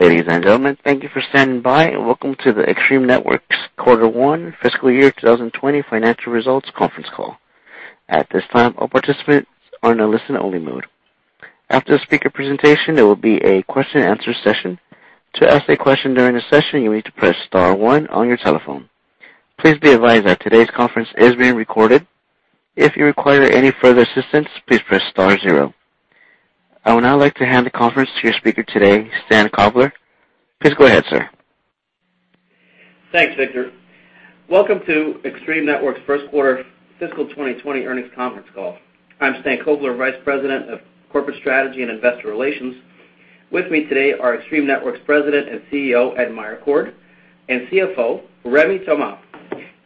Ladies and gentlemen, thank you for standing by, and welcome to the Extreme Networks Quarter One Fiscal Year 2020 Financial Results Conference Call. At this time, all participants are in a listen-only mode. After the speaker presentation, there will be a question and answer session. To ask a question during the session, you'll need to press star one on your telephone. Please be advised that today's conference is being recorded. If you require any further assistance, please press star zero. I would now like to hand the conference to your speaker today, Stan Kovler. Please go ahead, sir. Thanks, Victor. Welcome to Extreme Networks' First Quarter Fiscal 2020 Earnings Conference Call. I'm Stan Kovler, Vice President of Corporate Strategy and Investor Relations. With me today are Extreme Networks President and CEO, Ed Meyercord, and CFO, Rémi Thomas.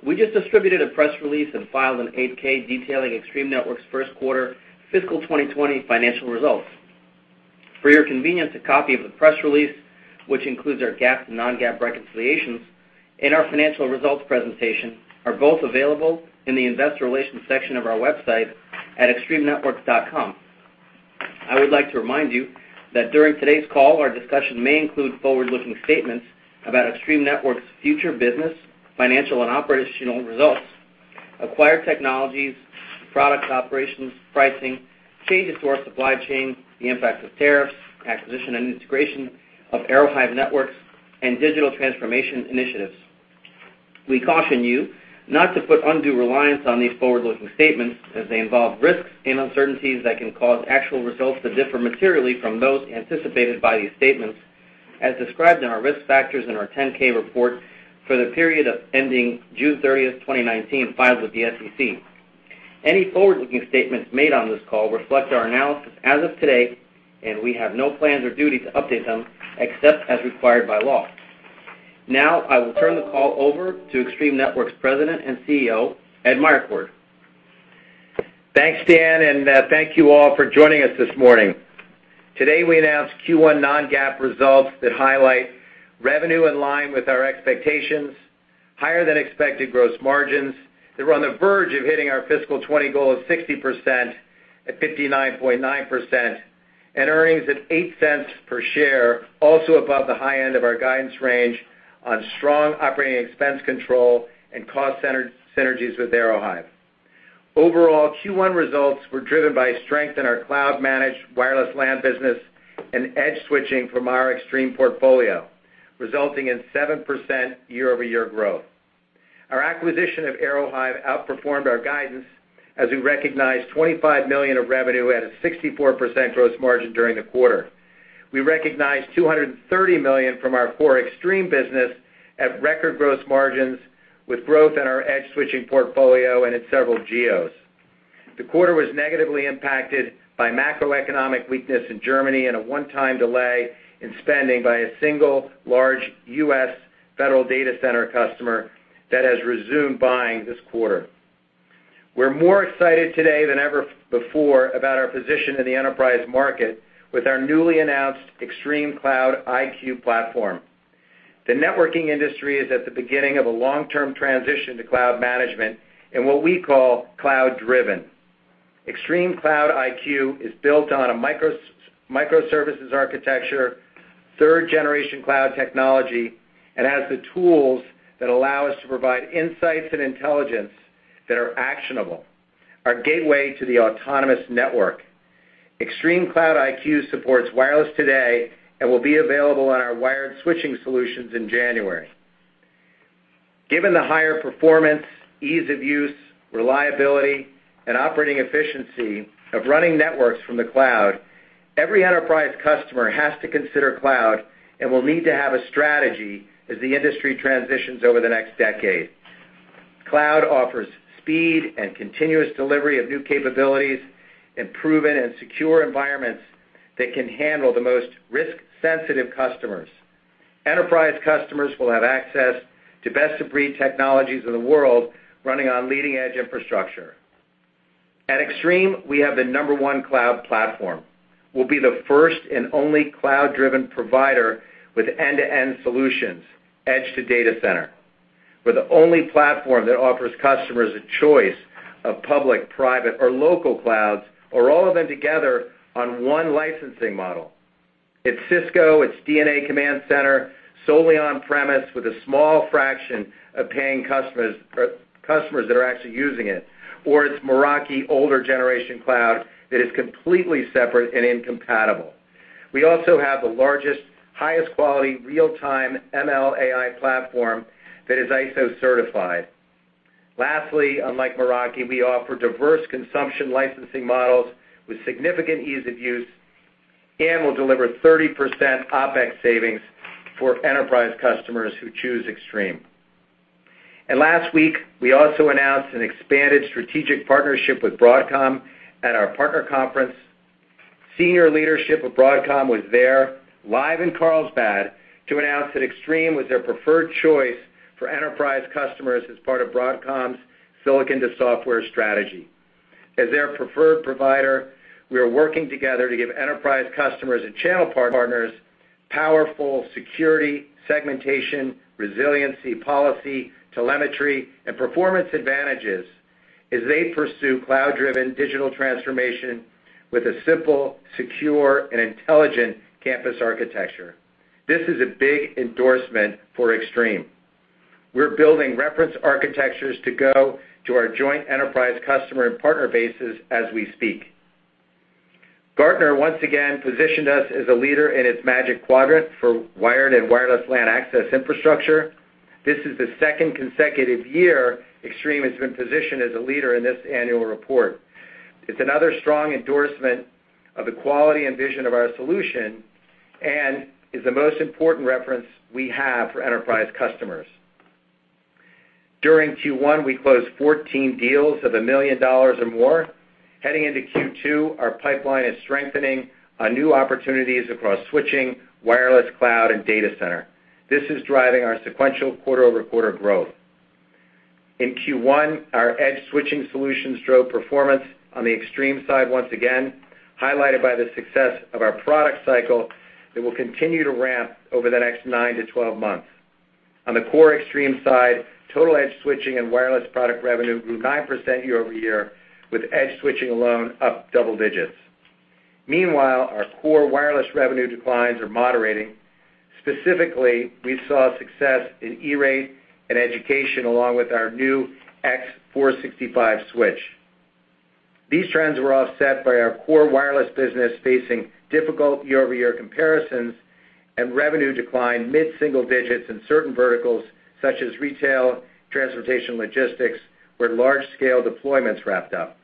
We just distributed a press release and filed an 8-K detailing Extreme Networks' first quarter fiscal 2020 financial results. For your convenience, a copy of the press release, which includes our GAAP and non-GAAP reconciliations and our financial results presentation, are both available in the investor relations section of our website at extremenetworks.com. I would like to remind you that during today's call, our discussion may include forward-looking statements about Extreme Networks' future business, financial, and operational results, acquired technologies, products, operations, pricing, changes to our supply chain, the impact of tariffs, acquisition and integration of Aerohive Networks, and digital transformation initiatives. We caution you not to put undue reliance on these forward-looking statements as they involve risks and uncertainties that can cause actual results to differ materially from those anticipated by these statements, as described in our risk factors in our 10-K report for the period ending June 30th, 2019, filed with the SEC. Any forward-looking statements made on this call reflect our analysis as of today, and we have no plans or duty to update them except as required by law. Now, I will turn the call over to Extreme Networks President and CEO, Ed Meyercord. Thanks, Stan. Thank you all for joining us this morning. Today, we announced Q1 non-GAAP results that highlight revenue in line with our expectations, higher than expected gross margins that were on the verge of hitting our fiscal 2020 goal of 60% at 59.9%, and earnings at $0.08 per share, also above the high end of our guidance range on strong operating expense control and cost synergies with Aerohive. Overall, Q1 results were driven by strength in our cloud-managed wireless LAN business and edge switching from our Extreme portfolio, resulting in 7% year-over-year growth. Our acquisition of Aerohive outperformed our guidance as we recognized $25 million of revenue at a 64% gross margin during the quarter. We recognized $230 million from our core Extreme business at record gross margins with growth in our edge-switching portfolio and in several geos. The quarter was negatively impacted by macroeconomic weakness in Germany and a one-time delay in spending by a single large U.S. federal data center customer that has resumed buying this quarter. We're more excited today than ever before about our position in the enterprise market with our newly announced ExtremeCloud IQ platform. The networking industry is at the beginning of a long-term transition to cloud management in what we call cloud-driven. ExtremeCloud IQ is built on a microservices architecture, third-generation cloud technology, and has the tools that allow us to provide insights and intelligence that are actionable, our gateway to the autonomous network. ExtremeCloud IQ supports wireless today and will be available on our wired switching solutions in January. Given the higher performance, ease of use, reliability, and operating efficiency of running networks from the cloud, every enterprise customer has to consider cloud and will need to have a strategy as the industry transitions over the next decade. Cloud offers speed and continuous delivery of new capabilities in proven and secure environments that can handle the most risk-sensitive customers. Enterprise customers will have access to best-of-breed technologies in the world running on leading-edge infrastructure. At Extreme, we have the number one cloud platform. We'll be the first and only cloud-driven provider with end-to-end solutions, edge to data center. We're the only platform that offers customers a choice of public, private, or local clouds, or all of them together on one licensing model. It's Cisco, it's Cisco DNA Center, solely on-premise with a small fraction of paying customers that are actually using it, or it's Meraki older generation cloud that is completely separate and incompatible. We also have the largest, highest quality real-time ML/AI platform that is ISO certified. Lastly, unlike Meraki, we offer diverse consumption licensing models with significant ease of use and will deliver 30% OPEX savings for enterprise customers who choose Extreme. Last week, we also announced an expanded strategic partnership with Broadcom at our partner conference. Senior leadership of Broadcom was there live in Carlsbad to announce that Extreme was their preferred choice for enterprise customers as part of Broadcom's silicon-to-software strategy. As their preferred provider, we are working together to give enterprise customers and channel partners powerful security, segmentation, resiliency, policy, telemetry, and performance advantages as they pursue cloud-driven digital transformation with a simple, secure, and intelligent campus architecture. This is a big endorsement for Extreme. We're building reference architectures to go to our joint enterprise customer and partner bases as we speak. Gartner, once again, positioned us as a leader in its Magic Quadrant for wired and wireless LAN access infrastructure. This is the second consecutive year Extreme has been positioned as a leader in this annual report. It's another strong endorsement of the quality and vision of our solution and is the most important reference we have for enterprise customers. During Q1, we closed 14 deals of $1 million or more. Heading into Q2, our pipeline is strengthening on new opportunities across switching, wireless cloud, and data center. This is driving our sequential quarter-over-quarter growth. In Q1, our Edge switching solutions drove performance on the Extreme Networks side once again, highlighted by the success of our product cycle that will continue to ramp over the next nine to 12 months. On the core Extreme Networks side, total Edge switching and wireless product revenue grew 9% year-over-year, with Edge switching alone up double digits. Meanwhile, our core wireless revenue declines are moderating. Specifically, we saw success in E-Rate and education, along with our new X465 switch. These trends were offset by our core wireless business facing difficult year-over-year comparisons and revenue decline mid-single digits in certain verticals such as retail, transportation logistics, where large-scale deployments wrapped up.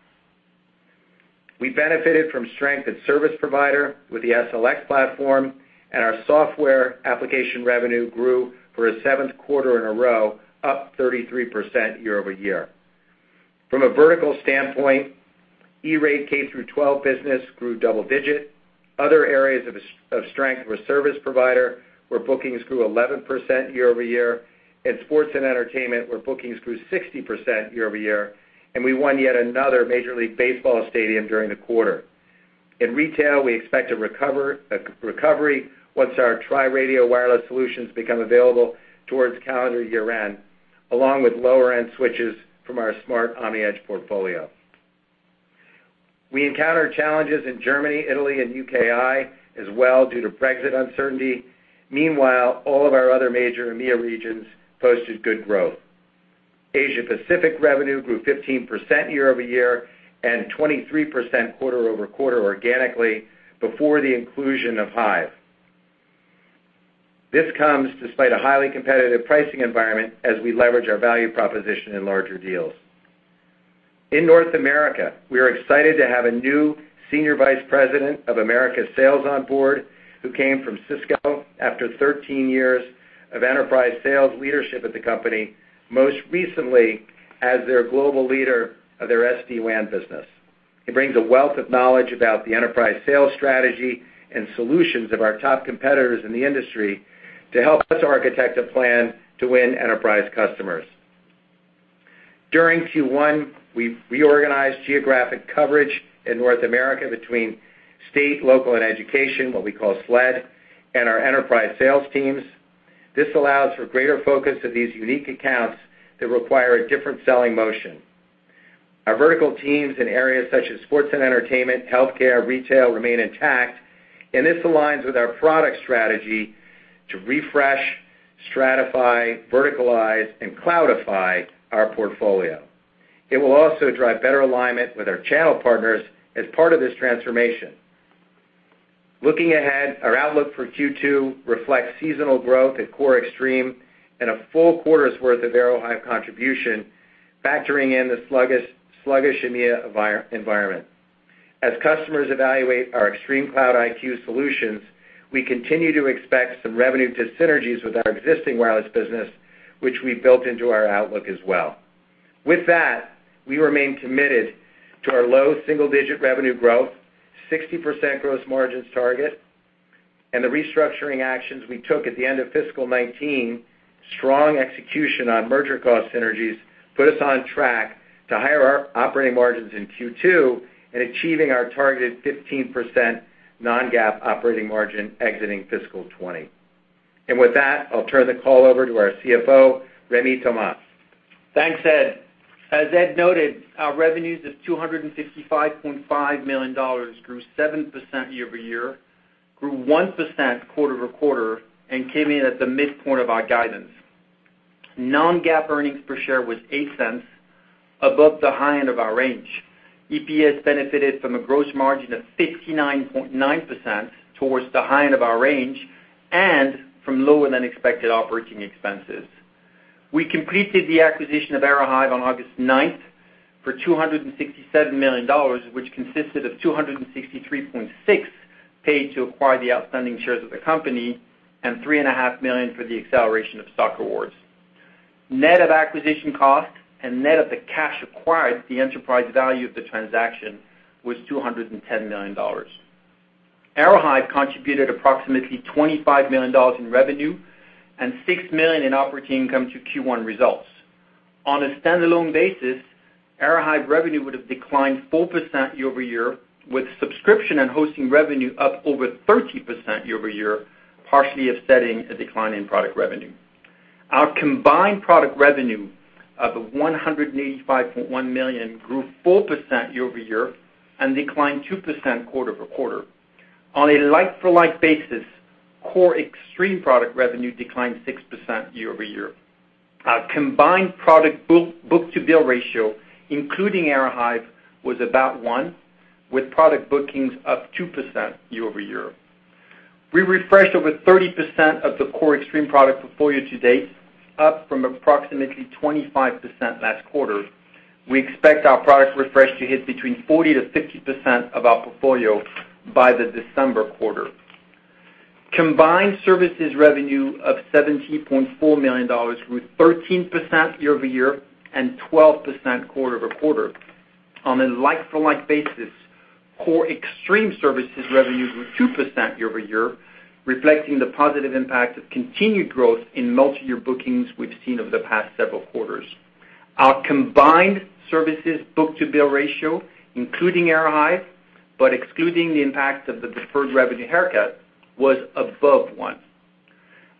We benefited from strength in service provider with the SLX platform, and our software application revenue grew for a seventh quarter in a row, up 33% year-over-year. From a vertical standpoint, E-Rate K through 12 business grew double-digit. Other areas of strength were service provider, where bookings grew 11% year-over-year, and sports and entertainment, where bookings grew 60% year-over-year. We won yet another Major League Baseball stadium during the quarter. In retail, we expect a recovery once our tri-radio wireless solutions become available towards calendar year-end, along with lower-end switches from our Smart OmniEdge portfolio. We encountered challenges in Germany, Italy, and UKI as well due to Brexit uncertainty. Meanwhile, all of our other major EMEA regions posted good growth. Asia Pacific revenue grew 15% year-over-year and 23% quarter-over-quarter organically before the inclusion of Hive. This comes despite a highly competitive pricing environment as we leverage our value proposition in larger deals. In North America, we are excited to have a new senior vice president of Americas sales on board who came from Cisco after 13 years of enterprise sales leadership at the company, most recently as their global leader of their SD-WAN business. He brings a wealth of knowledge about the enterprise sales strategy and solutions of our top competitors in the industry to help us architect a plan to win enterprise customers. During Q1, we reorganized geographic coverage in North America between state, local, and education, what we call SLED, and our enterprise sales teams. This allows for greater focus of these unique accounts that require a different selling motion. Our vertical teams in areas such as sports and entertainment, healthcare, retail remain intact, and this aligns with our product strategy to refresh, stratify, verticalize, and cloudify our portfolio. It will also drive better alignment with our channel partners as part of this transformation. Looking ahead, our outlook for Q2 reflects seasonal growth at core Extreme and a full quarter's worth of Aerohive contribution, factoring in the sluggish EMEA environment. As customers evaluate our ExtremeCloud IQ solutions, we continue to expect some revenue dis-synergies with our existing wireless business, which we've built into our outlook as well. With that, we remain committed to our low single-digit revenue growth, 60% gross margins target, and the restructuring actions we took at the end of fiscal 2019. Strong execution on merger cost synergies put us on track to higher operating margins in Q2 and achieving our targeted 15% non-GAAP operating margin exiting fiscal 2020. With that, I'll turn the call over to our CFO, Rémi Thomas. Thanks, Ed. As Ed noted, our revenues of $255.5 million grew 7% year-over-year, grew 1% quarter-over-quarter, and came in at the midpoint of our guidance. Non-GAAP earnings per share was $0.08 above the high end of our range. EPS benefited from a gross margin of 59.9% towards the high end of our range and from lower-than-expected operating expenses. We completed the acquisition of Aerohive on August 9th for $267 million, which consisted of $263.6 paid to acquire the outstanding shares of the company and $3.5 million for the acceleration of stock awards. Net of acquisition cost and net of the cash acquired, the enterprise value of the transaction was $210 million. Aerohive contributed approximately $25 million in revenue and $6 million in operating income to Q1 results. On a standalone basis, Aerohive revenue would have declined 4% year-over-year, with subscription and hosting revenue up over 30% year-over-year, partially offsetting a decline in product revenue. Our combined product revenue of $185.1 million grew 4% year-over-year and declined 2% quarter-over-quarter. On a like-for-like basis, core Extreme product revenue declined 6% year-over-year. Our combined product book-to-bill ratio, including Aerohive, was about one, with product bookings up 2% year-over-year. We refreshed over 30% of the core Extreme product portfolio to date, up from approximately 25% last quarter. We expect our product refresh to hit between 40%-50% of our portfolio by the December quarter. Combined services revenue of $70.4 million grew 13% year-over-year and 12% quarter-over-quarter. On a like-for-like basis, core Extreme services revenue grew 2% year-over-year, reflecting the positive impact of continued growth in multi-year bookings we've seen over the past several quarters. Our combined services book-to-bill ratio, including Aerohive, but excluding the impact of the deferred revenue haircut, was above one.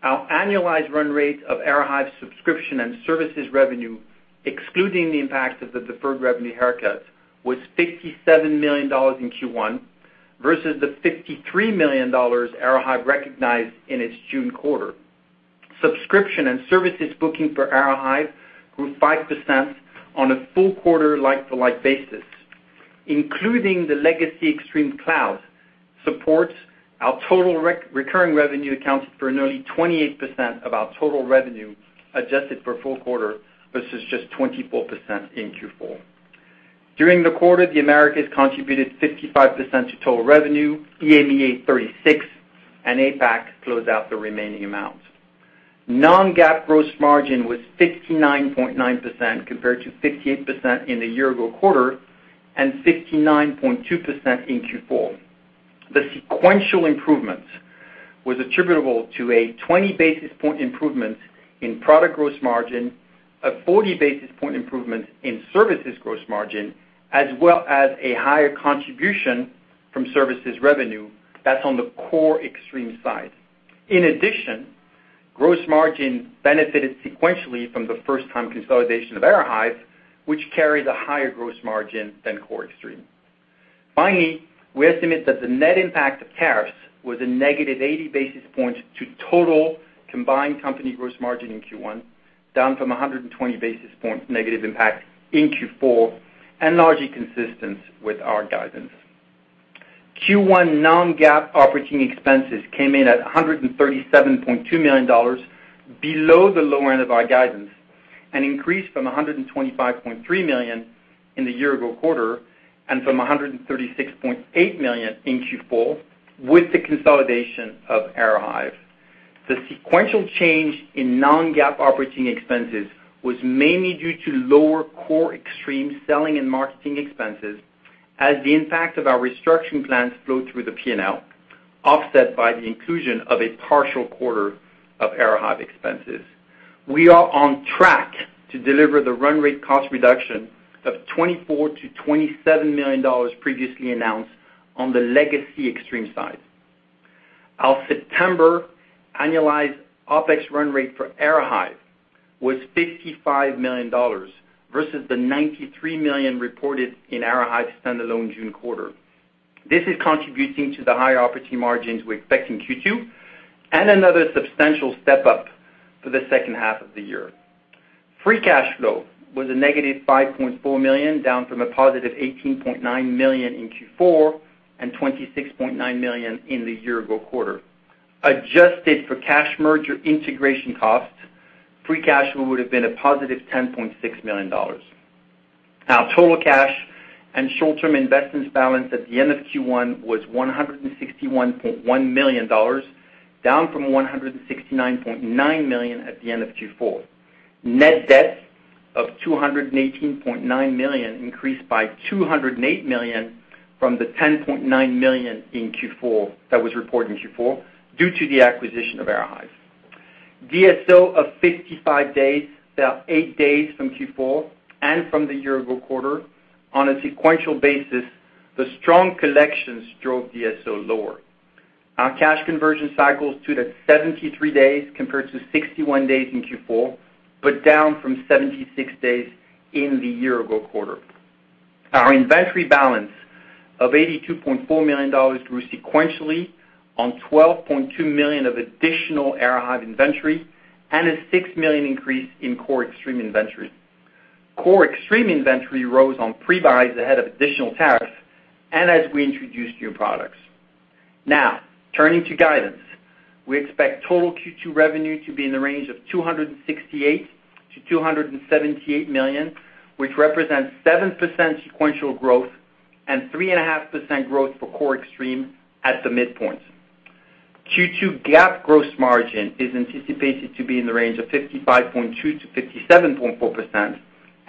Our annualized run rate of Aerohive subscription and services revenue, excluding the impact of the deferred revenue haircuts, was $57 million in Q1, versus the $53 million Aerohive recognized in its June quarter. Subscription and services booking for Aerohive grew 5% on a full quarter like-for-like basis. Including the legacy Extreme Cloud supports our total recurring revenue accounted for nearly 28% of our total revenue, adjusted for full quarter versus just 24% in Q4. During the quarter, the Americas contributed 55% to total revenue, EMEA 36%, and APAC closed out the remaining amount. Non-GAAP gross margin was 59.9% compared to 58% in the year-ago quarter and 59.2% in Q4. The sequential improvement was attributable to a 20 basis point improvement in product gross margin, a 40 basis point improvement in services gross margin, as well as a higher contribution from services revenue that's on the core Extreme side. In addition, gross margin benefited sequentially from the first-time consolidation of Aerohive, which carries a higher gross margin than core Extreme. Finally, we estimate that the net impact of tariffs was a negative 80 basis point to total combined company gross margin in Q1, down from 120 basis points negative impact in Q4, and largely consistent with our guidance. Q1 non-GAAP operating expenses came in at $137.2 million, below the lower end of our guidance, an increase from $125.3 million in the year-ago quarter and from $136.8 million in Q4 with the consolidation of Aerohive. The sequential change in non-GAAP operating expenses was mainly due to lower core Extreme selling and marketing expenses as the impact of our restructuring plans flow through the P&L, offset by the inclusion of a partial quarter of Aerohive expenses. We are on track to deliver the run rate cost reduction of $24 million-$27 million previously announced on the legacy Extreme side. Our September annualized OPEX run rate for Aerohive was $55 million versus the $93 million reported in Aerohive's standalone June quarter. This is contributing to the higher operating margins we expect in Q2 and another substantial step-up for the second half of the year. Free cash flow was a negative $5.4 million, down from a positive $18.9 million in Q4 and $26.9 million in the year-ago quarter. Adjusted for cash merger integration costs, free cash flow would have been a positive $10.6 million. Our total cash and short-term investments balance at the end of Q1 was $161.1 million, down from $169.9 million at the end of Q4. Net debt of $218.9 million increased by $208 million from the $10.9 million in Q4, that was reported in Q4, due to the acquisition of Aerohive. DSO of 55 days, they are eight days from Q4 and from the year-ago quarter. On a sequential basis, the strong collections drove DSO lower. Our cash conversion cycles stood at 73 days compared to 61 days in Q4, down from 76 days in the year-ago quarter. Our inventory balance of $82.4 million grew sequentially on $12.2 million of additional Aerohive inventory and a $6 million increase in core Extreme inventory. Core Extreme inventory rose on pre-buys ahead of additional tariffs and as we introduced new products. Turning to guidance. We expect total Q2 revenue to be in the range of $268 million-$278 million, which represents 7% sequential growth and 3.5% growth for core Extreme at the midpoint. Q2 GAAP gross margin is anticipated to be in the range of 55.2%-57.4%,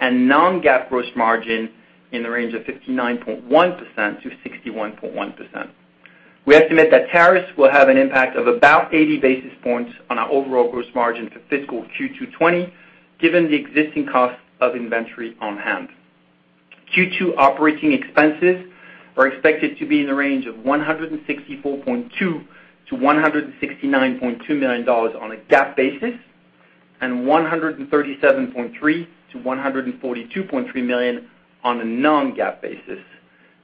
and non-GAAP gross margin in the range of 59.1%-61.1%. We estimate that tariffs will have an impact of about 80 basis points on our overall gross margin for fiscal Q2 2020, given the existing cost of inventory on hand. Q2 operating expenses are expected to be in the range of $164.2 million-$169.2 million on a GAAP basis, and $137.3 million-$142.3 million on a non-GAAP basis.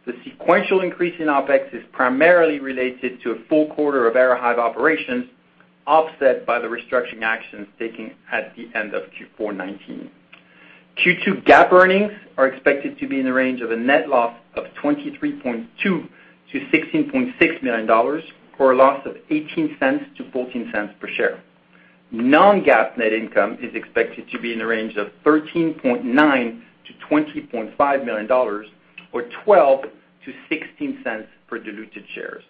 The sequential increase in OpEx is primarily related to a full quarter of Aerohive operations, offset by the restructuring actions taken at the end of Q4 2019. Q2 GAAP earnings are expected to be in the range of a net loss of $23.2 million-$16.6 million, or a loss of $0.18-$0.14 per share. Non-GAAP net income is expected to be in the range of $13.9 million-$20.5 million, or $0.12-$0.16 per diluted shares.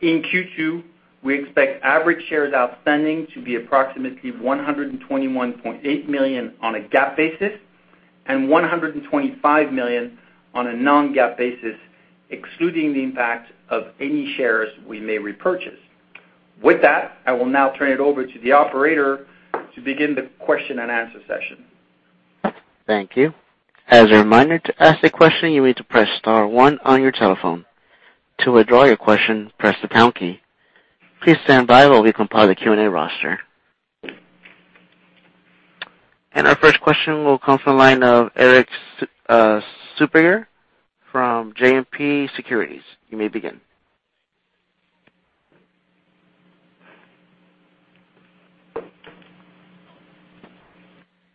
In Q2, we expect average shares outstanding to be approximately 121.8 million on a GAAP basis, and 125 million on a non-GAAP basis, excluding the impact of any shares we may repurchase. With that, I will now turn it over to the operator to begin the question and answer session. Thank you. As a reminder, to ask a question, you need to press star one on your telephone. To withdraw your question, press the pound key. Please stand by while we compile the Q&A roster. Our first question will come from the line of Eric Suppiger from JMP Securities. You may begin.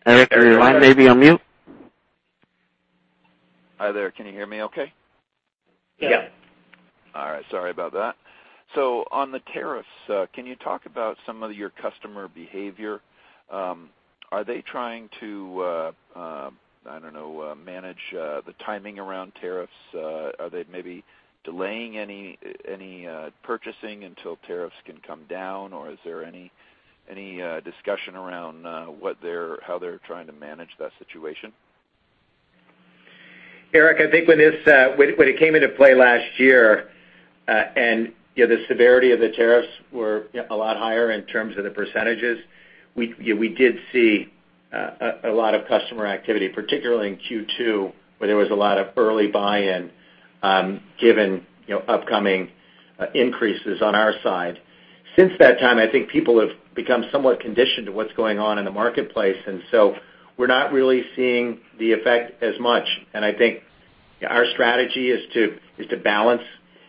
Eric, your line may be on mute. Hi there. Can you hear me okay? Yeah. All right. Sorry about that. On the tariffs, can you talk about some of your customer behavior? Are they trying to, I don't know, manage the timing around tariffs? Are they maybe delaying any purchasing until tariffs can come down? Is there any discussion around how they're trying to manage that situation? Eric, I think when it came into play last year, and the severity of the tariffs were a lot higher in terms of the percentages, we did see a lot of customer activity, particularly in Q2, where there was a lot of early buy-in, given upcoming increases on our side. Since that time, I think people have become somewhat conditioned to what's going on in the marketplace. We're not really seeing the effect as much. I think our strategy is to balance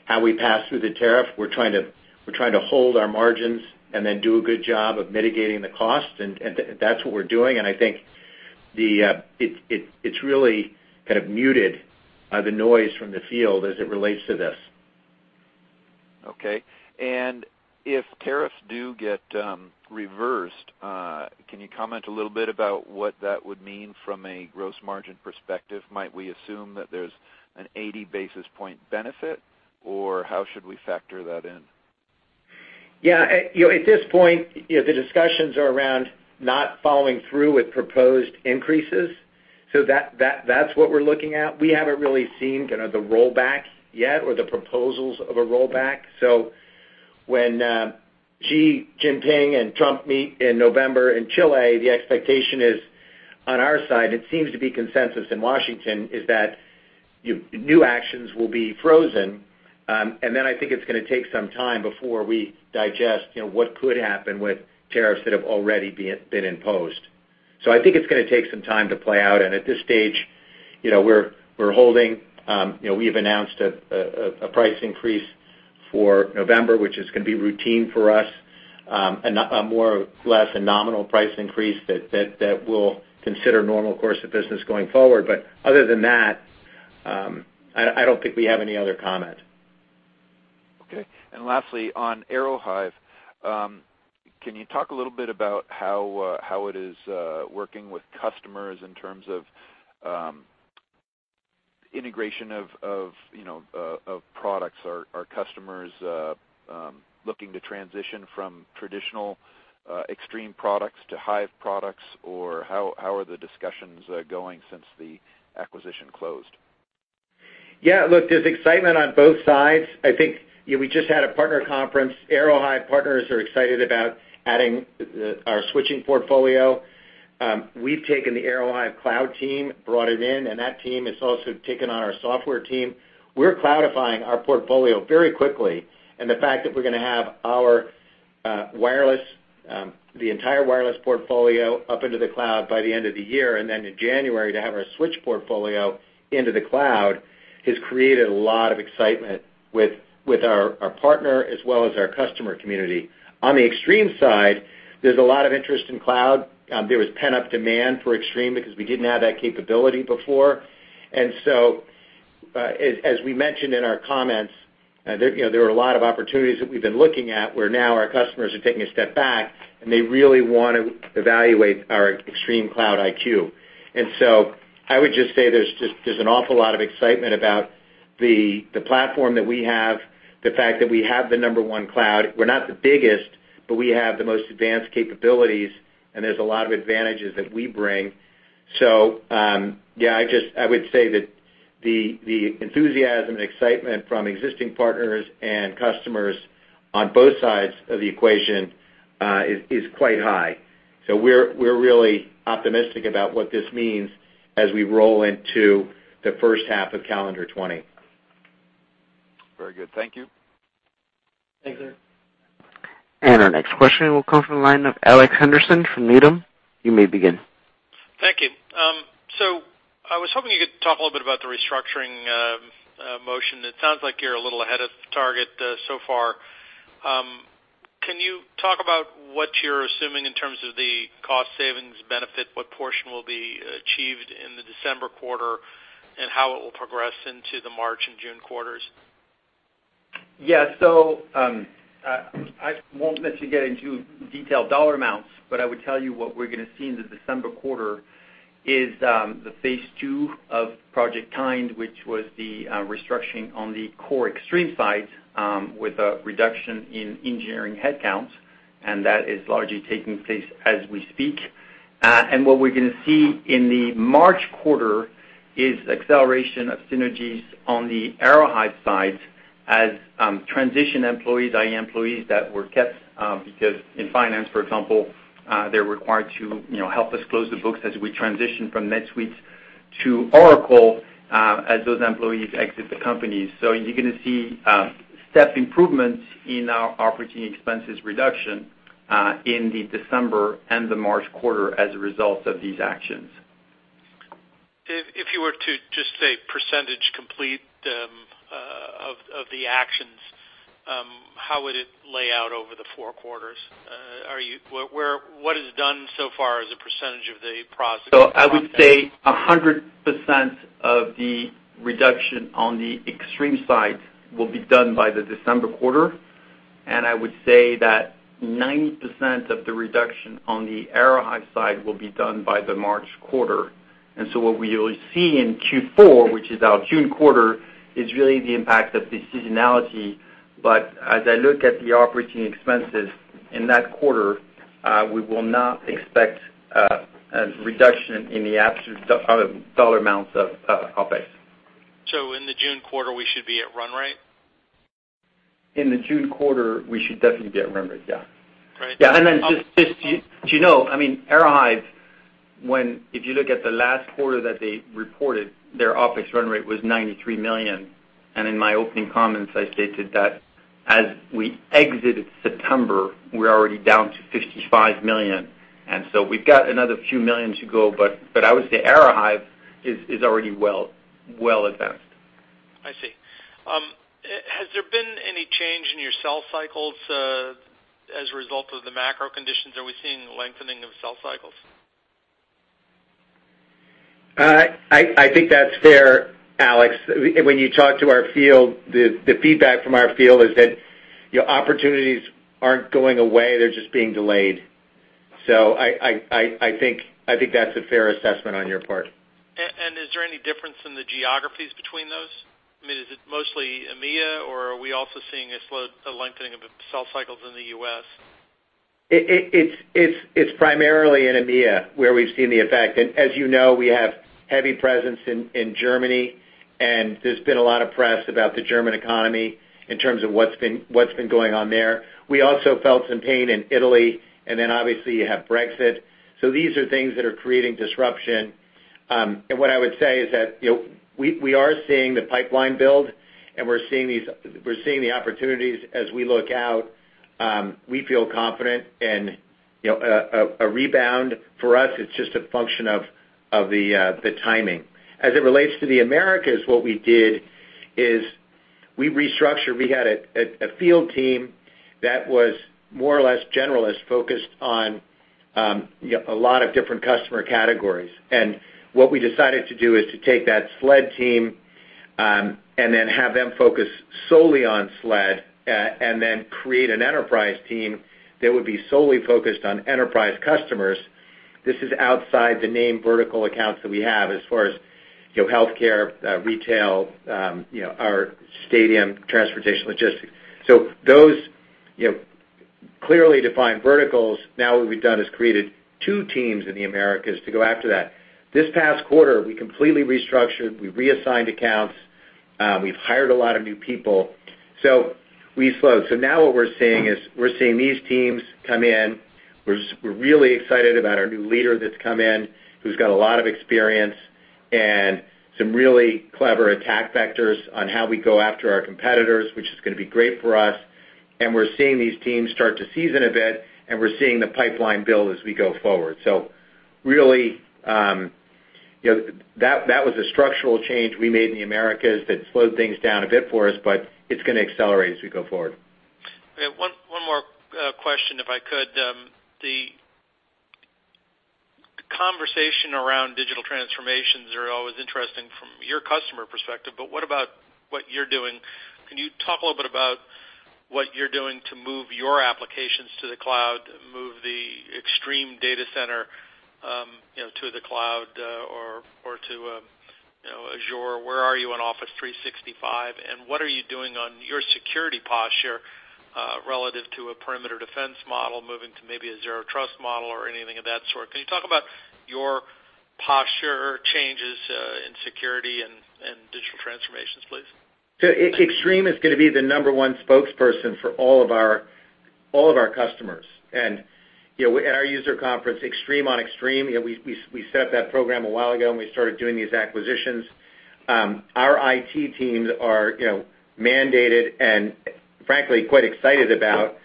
how we pass through the tariff. We're trying to hold our margins and then do a good job of mitigating the cost, and that's what we're doing. I think it's really kind of muted the noise from the field as it relates to this. Okay. If tariffs do get reversed, can you comment a little bit about what that would mean from a gross margin perspective? Might we assume that there's an 80 basis point benefit, or how should we factor that in? Yeah. At this point, the discussions are around not following through with proposed increases. That's what we're looking at. We haven't really seen kind of the rollback yet or the proposals of a rollback. When Xi Jinping and Trump meet in November in Chile, the expectation is on our side, and it seems to be consensus in Washington, is that new actions will be frozen. I think it's going to take some time before we digest what could happen with tariffs that have already been imposed. I think it's going to take some time to play out. At this stage, we're holding. We've announced a price increase for November, which is going to be routine for us, and more or less a nominal price increase that we'll consider normal course of business going forward. Other than that, I don't think we have any other comment. Okay. Lastly, on Aerohive, can you talk a little bit about how it is working with customers in terms of integration of products? Are customers looking to transition from traditional Extreme products to Hive products? How are the discussions going since the acquisition closed? Yeah, look, there's excitement on both sides. I think we just had a partner conference. Aerohive partners are excited about adding our switching portfolio. We've taken the Aerohive cloud team, brought it in, and that team has also taken on our software team. We're cloudifying our portfolio very quickly, and the fact that we're going to have the entire wireless portfolio up into the cloud by the end of the year, and then in January to have our switch portfolio into the cloud, has created a lot of excitement with our partner as well as our customer community. On the Extreme side, there's a lot of interest in cloud. There was pent-up demand for Extreme because we didn't have that capability before. As we mentioned in our comments, there are a lot of opportunities that we've been looking at where now our customers are taking a step back and they really want to evaluate our ExtremeCloud IQ. I would just say there's an awful lot of excitement about the platform that we have, the fact that we have the number one cloud. We're not the biggest, but we have the most advanced capabilities, and there's a lot of advantages that we bring. Yeah, I would say that the enthusiasm and excitement from existing partners and customers on both sides of the equation. Is quite high. We're really optimistic about what this means as we roll into the first half of calendar 2020. Very good. Thank you. Thank you. Our next question will come from the line of Alex Henderson from Needham. You may begin. Thank you. I was hoping you could talk a little bit about the restructuring motion. It sounds like you're a little ahead of target so far. Can you talk about what you're assuming in terms of the cost savings benefit, what portion will be achieved in the December quarter, and how it will progress into the March and June quarters? I won't necessarily get into detailed dollar amounts, but I would tell you what we're going to see in the December quarter is the phase 2 of Project Kind, which was the restructuring on the core Extreme side with a reduction in engineering headcounts, that is largely taking place as we speak. What we're going to see in the March quarter is acceleration of synergies on the Aerohive side as transition employees, i.e., employees that were kept because in finance, for example, they're required to help us close the books as we transition from NetSuite to Oracle as those employees exit the company. You're going to see step improvements in our operating expenses reduction in the December and the March quarter as a result of these actions. If you were to just say % complete of the actions, how would it lay out over the four quarters? What is done so far as a % of the process? I would say 100% of the reduction on the Extreme side will be done by the December quarter. I would say that 90% of the reduction on the Aerohive side will be done by the March quarter. What we will see in Q4, which is our June quarter, is really the impact of the seasonality. As I look at the operating expenses in that quarter, we will not expect a reduction in the absolute dollar amounts of OpEx. In the June quarter, we should be at run rate? In the June quarter, we should definitely be at run rate, yeah. Great. Yeah. Just so you know, Aerohive, if you look at the last quarter that they reported, their OpEx run rate was $93 million. In my opening comments, I stated that as we exited September, we're already down to $55 million. We've got another few million to go, I would say Aerohive is already well advanced. I see. Has there been any change in your sales cycles as a result of the macro conditions? Are we seeing a lengthening of sales cycles? I think that's fair, Alex. When you talk to our field, the feedback from our field is that opportunities aren't going away, they're just being delayed. I think that's a fair assessment on your part. Is there any difference in the geographies between those? I mean, is it mostly EMEA, or are we also seeing a lengthening of the sales cycles in the U.S.? It's primarily in EMEA where we've seen the effect. As you know, we have heavy presence in Germany, and there's been a lot of press about the German economy in terms of what's been going on there. We also felt some pain in Italy, obviously you have Brexit. These are things that are creating disruption. What I would say is that we are seeing the pipeline build, and we're seeing the opportunities as we look out. We feel confident in a rebound. For us, it's just a function of the timing. As it relates to the Americas, what we did is we restructured. We had a field team that was more or less generalist, focused on a lot of different customer categories. What we decided to do is to take that SLED team, have them focus solely on SLED, create an enterprise team that would be solely focused on enterprise customers. This is outside the name vertical accounts that we have as far as healthcare, retail, our stadium, transportation, logistics. Those clearly defined verticals, now what we've done is created two teams in the Americas to go after that. This past quarter, we completely restructured, we reassigned accounts, we've hired a lot of new people. We slowed. Now what we're seeing is we're seeing these teams come in. We're really excited about our new leader that's come in, who's got a lot of experience and some really clever attack vectors on how we go after our competitors, which is going to be great for us. We're seeing these teams start to season a bit, and we're seeing the pipeline build as we go forward. Really, that was a structural change we made in the Americas that slowed things down a bit for us, but it's going to accelerate as we go forward. One more question, if I could. The conversation around digital transformations are always interesting from your customer perspective, but what about what you're doing? Can you talk a little bit about what you're doing to move your applications to the cloud, move the Extreme data center to the cloud or to Azure? Where are you on Microsoft 365, and what are you doing on your security posture relative to a perimeter defense model, moving to maybe a zero trust model or anything of that sort? Can you talk about your posture changes in security and digital transformations, please. Extreme is going to be the number one spokesperson for all of our customers. At our user conference, Extreme on Extreme, we set up that program a while ago, and we started doing these acquisitions. Our IT teams are mandated and, frankly, quite excited about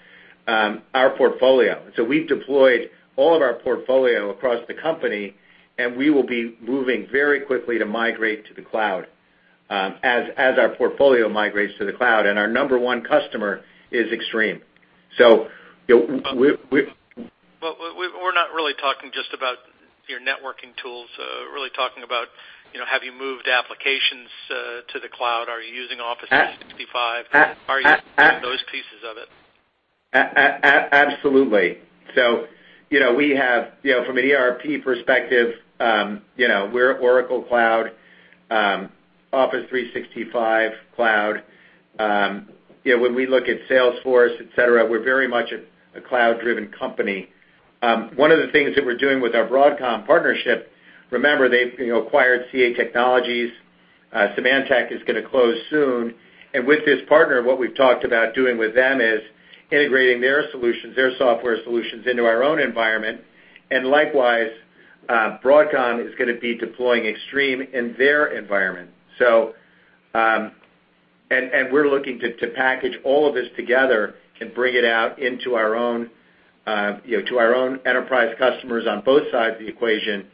our portfolio. So we've deployed all of our portfolio across the company, and we will be moving very quickly to migrate to the cloud, as our portfolio migrates to the cloud, and our number one customer is Extreme. We're not really talking just about your networking tools. We're really talking about have you moved applications to the cloud? Are you using Microsoft 365? Are you using those pieces of it? Absolutely. From an ERP perspective, we're Oracle Cloud, Microsoft 365 cloud. When we look at Salesforce, et cetera, we're very much a cloud-driven company. One of the things that we're doing with our Broadcom partnership, remember, they've acquired CA Technologies. Symantec is going to close soon. With this partner, what we've talked about doing with them is integrating their solutions, their software solutions, into our own environment. Likewise, Broadcom is going to be deploying Extreme in their environment. We're looking to package all of this together and bring it out to our own enterprise customers on both sides of the equation,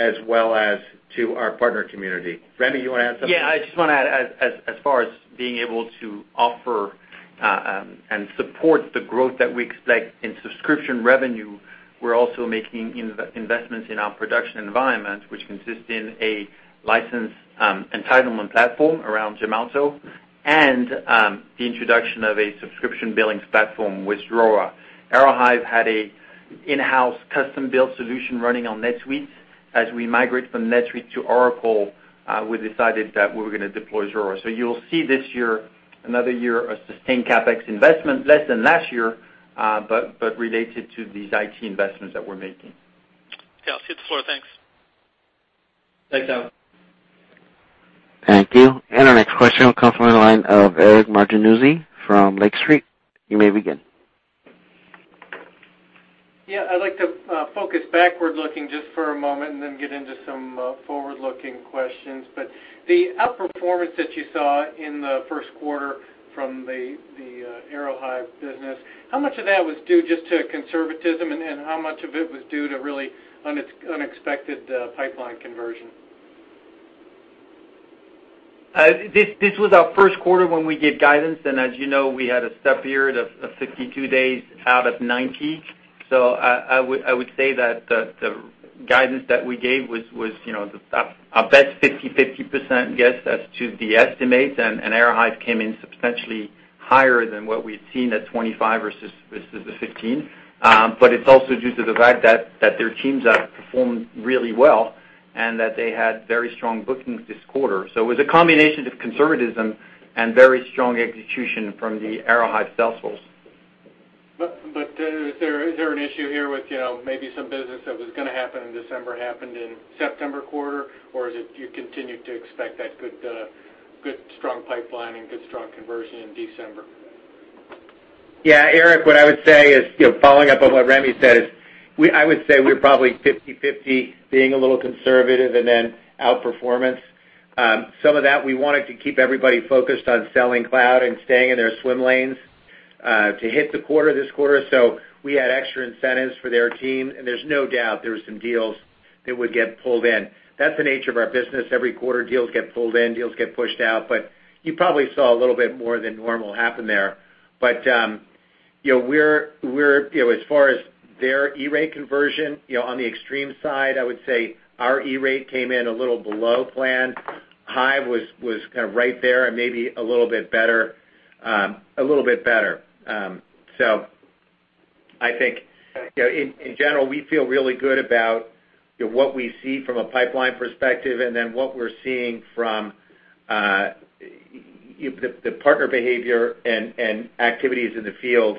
as well as to our partner community. Rémi, you want to add something? I just want to add, as far as being able to offer and support the growth that we expect in subscription revenue, we're also making investments in our production environment, which consists in a license entitlement platform around Gemalto, and the introduction of a subscription billings platform with Zuora. Aerohive had a in-house custom-built solution running on NetSuite. As we migrate from NetSuite to Oracle, we decided that we were going to deploy Zuora. You'll see this year another year of sustained CapEx investment, less than last year, but related to these IT investments that we're making. Okay. I'll cede the floor. Thanks. Thanks, Alex. Thank you. Our next question will come from the line of Eric Martinuzzi from Lake Street. You may begin. Yeah, I'd like to focus backward-looking just for a moment and then get into some forward-looking questions. The outperformance that you saw in the first quarter from the Aerohive business, how much of that was due just to conservatism, and how much of it was due to really unexpected pipeline conversion? This was our first quarter when we gave guidance, and as you know, we had a step period of 62 days out of 90. I would say that the guidance that we gave was our best 50/50% guess as to the estimates, and Aerohive came in substantially higher than what we'd seen at 25 versus the 15. It's also due to the fact that their teams have performed really well, and that they had very strong bookings this quarter. It was a combination of conservatism and very strong execution from the Aerohive sales force. Is there an issue here with maybe some business that was going to happen in December, happened in September quarter? Do you continue to expect that good, strong pipeline and good strong conversion in December? Yeah, Eric, what I would say is, following up on what Rémi said is, I would say we're probably 50/50 being a little conservative and then outperformance. Some of that we wanted to keep everybody focused on selling cloud and staying in their swim lanes to hit the quarter this quarter. We had extra incentives for their team, and there's no doubt there were some deals that would get pulled in. That's the nature of our business. Every quarter, deals get pulled in, deals get pushed out. You probably saw a little bit more than normal happen there. As far as their E-Rate conversion, on the Extreme side, I would say our E-Rate came in a little below plan. Hive was kind of right there and maybe a little bit better. I think, in general, we feel really good about what we see from a pipeline perspective and then what we're seeing from the partner behavior and activities in the field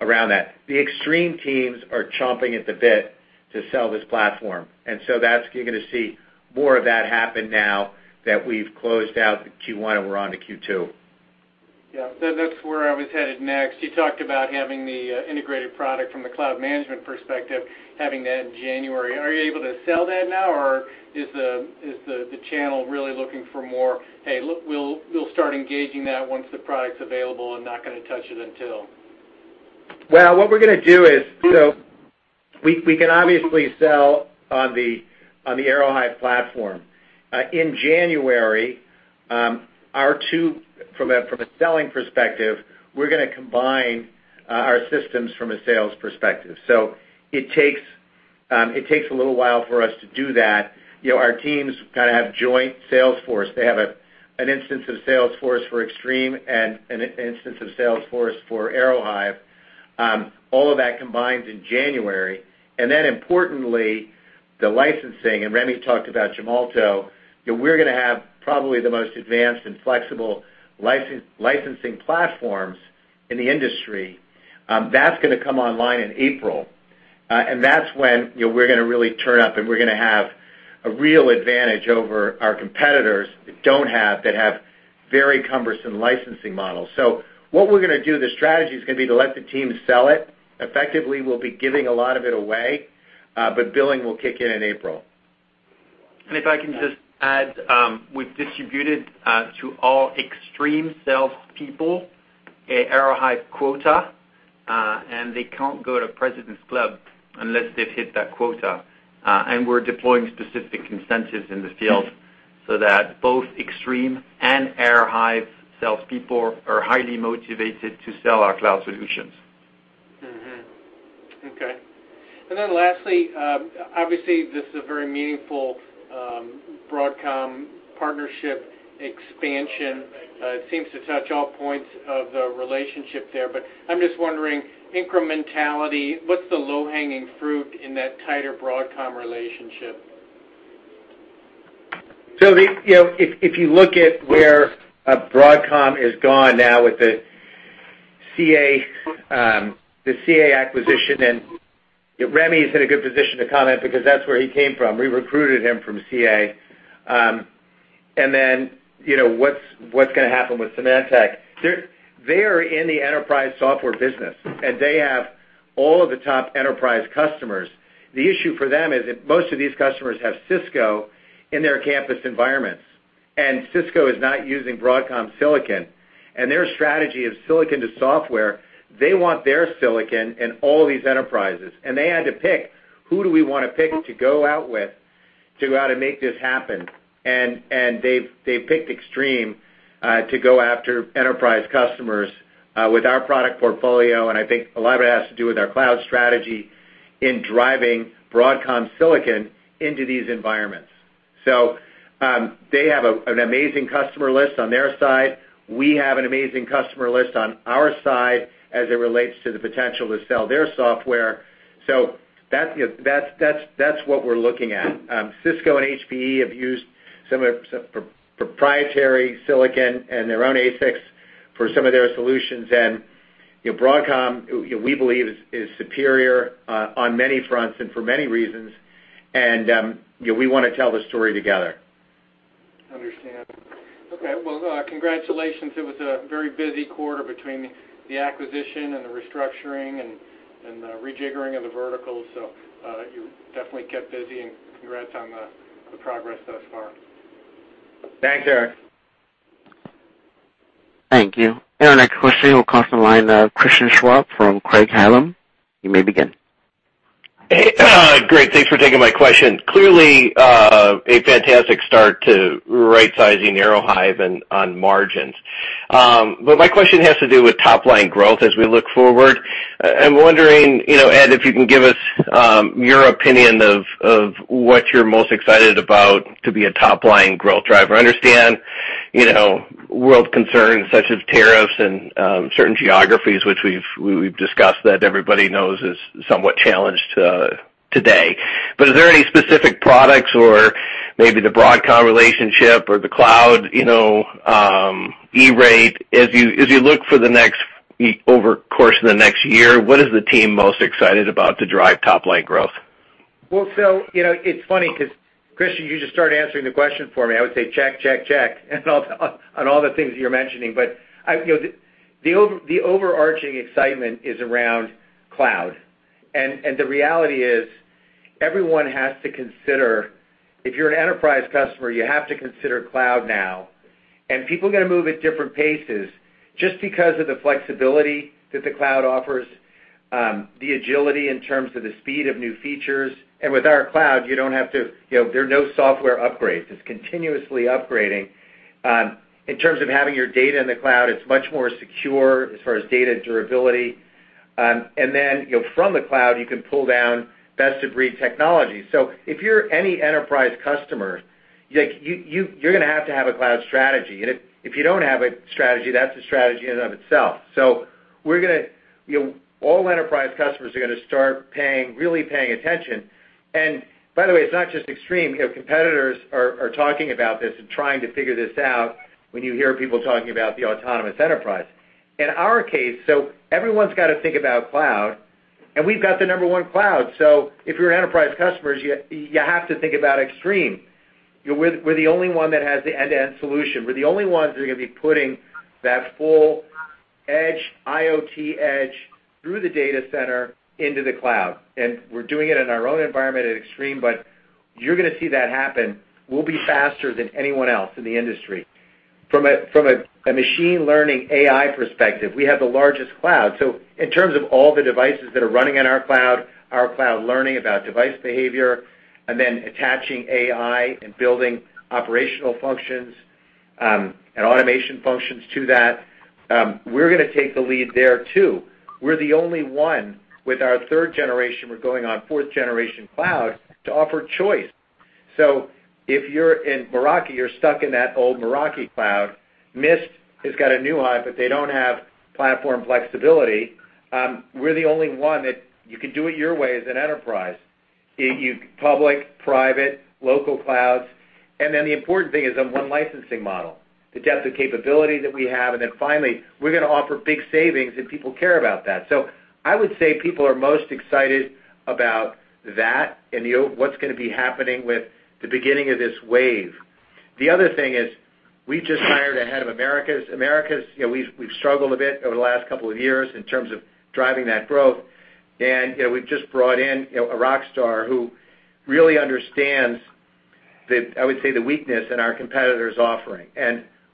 around that. The Extreme teams are chomping at the bit to sell this platform. You're going to see more of that happen now that we've closed out Q1 and we're on to Q2. Yeah. That's where I was headed next. You talked about having the integrated product from the cloud management perspective, having that in January. Are you able to sell that now, or is the channel really looking for more, "Hey, look, we'll start engaging that once the product's available. I'm not going to touch it until Well, what we're going to do is, we can obviously sell on the Aerohive platform. In January, from a selling perspective, we're going to combine our systems from a sales perspective. It takes a little while for us to do that. Our teams kind of have joint Salesforce. They have an instance of Salesforce for Extreme and an instance of Salesforce for Aerohive. All of that combines in January. Importantly, the licensing, and Rémi talked about Gemalto, we're going to have probably the most advanced and flexible licensing platforms in the industry. That's going to come online in April, and that's when we're going to really turn up and we're going to have a real advantage over our competitors that don't have, that have very cumbersome licensing models. What we're going to do, the strategy is going to be to let the team sell it. Effectively, we'll be giving a lot of it away, but billing will kick in in April. If I can just add, we've distributed to all Extreme salespeople an Aerohive quota. They can't go to President's Club unless they've hit that quota. We're deploying specific incentives in the field so that both Extreme and Aerohive salespeople are highly motivated to sell our cloud solutions. Okay. Lastly, obviously, this is a very meaningful Broadcom partnership expansion. It seems to touch all points of the relationship there, but I'm just wondering, incrementality, what's the low-hanging fruit in that tighter Broadcom relationship? If you look at where Broadcom is gone now with the CA acquisition, Rémi is in a good position to comment because that's where he came from. We recruited him from CA. What's going to happen with Symantec? They are in the enterprise software business, and they have all of the top enterprise customers. The issue for them is that most of these customers have Cisco in their campus environments, and Cisco is not using Broadcom silicon. Their strategy of silicon to software, they want their silicon in all these enterprises. They had to pick, who do we want to pick to go out with to go out and make this happen? They've picked Extreme to go after enterprise customers with our product portfolio, and I think a lot of it has to do with our cloud strategy in driving Broadcom silicon into these environments. They have an amazing customer list on their side. We have an amazing customer list on our side as it relates to the potential to sell their software. That's what we're looking at. Cisco and HPE have used some of proprietary silicon and their own ASICs for some of their solutions. Broadcom, we believe, is superior on many fronts and for many reasons, and we want to tell the story together. Understand. Okay, well, congratulations. It was a very busy quarter between the acquisition and the restructuring and the rejiggering of the verticals, so you definitely kept busy, and congrats on the progress thus far. Thanks, Eric. Thank you. Our next question will come from the line of Christian Schwab from Craig-Hallum. You may begin. Great. Thanks for taking my question. Clearly, a fantastic start to rightsizing Aerohive and on margins. My question has to do with top-line growth as we look forward. I'm wondering, Ed, if you can give us your opinion of what you're most excited about to be a top-line growth driver. I understand world concerns such as tariffs and certain geographies, which we've discussed that everybody knows is somewhat challenged today. Is there any specific products or maybe the Broadcom relationship or the cloud, E-Rate? As you look over course of the next year, what is the team most excited about to drive top-line growth? It's funny because Christian, you just started answering the question for me. I would say check on all the things you're mentioning. The overarching excitement is around cloud. The reality is everyone has to consider, if you're an enterprise customer, you have to consider cloud now, and people are going to move at different paces just because of the flexibility that the cloud offers, the agility in terms of the speed of new features. With our cloud, there are no software upgrades. It's continuously upgrading. In terms of having your data in the cloud, it's much more secure as far as data durability. From the cloud, you can pull down best-of-breed technology. If you're any enterprise customer, you're going to have to have a cloud strategy. If you don't have a strategy, that's a strategy in and of itself. All enterprise customers are going to start really paying attention. By the way, it's not just Extreme. Competitors are talking about this and trying to figure this out when you hear people talking about the autonomous enterprise. In our case, so everyone's got to think about cloud, and we've got the number one cloud. If you're enterprise customers, you have to think about Extreme. We're the only one that has the end-to-end solution. We're the only ones who are going to be putting that full IoT edge through the data center into the cloud, and we're doing it in our own environment at Extreme, but you're going to see that happen. We'll be faster than anyone else in the industry. From a machine learning AI perspective, we have the largest cloud. In terms of all the devices that are running on our cloud, our cloud learning about device behavior, and then attaching AI and building operational functions and automation functions to that, we're going to take the lead there, too. We're the only one with our third generation, we're going on fourth generation cloud, to offer choice. If you're in Meraki, you're stuck in that old Meraki cloud. Mist has got a new hive, but they don't have platform flexibility. We're the only one that you can do it your way as an enterprise, public, private, local clouds. The important thing is on one licensing model, the depth of capability that we have, and then finally, we're going to offer big savings, and people care about that. I would say people are most excited about that and what's going to be happening with the beginning of this wave. The other thing is we've just hired a head of Americas. We've struggled a bit over the last couple of years in terms of driving that growth. We've just brought in a rock star who really understands, I would say, the weakness in our competitor's offering.